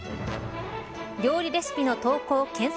料理レシピの投稿検索